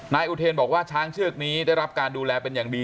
นายอุเทนบอกว่าช้างเชือกนี้ได้รับการดูแลเป็นอย่างดี